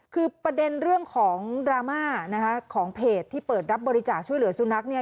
คือประเด็นเรื่องของดราม่านะคะของเพจที่เปิดรับบริจาคช่วยเหลือสุนัขเนี่ย